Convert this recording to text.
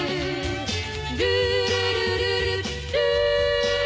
「ルールルルルルー」